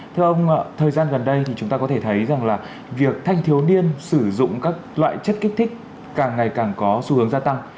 thưa ông thời gian gần đây thì chúng ta có thể thấy rằng là việc thanh thiếu niên sử dụng các loại chất kích thích càng ngày càng có xu hướng gia tăng